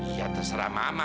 ya terserah mama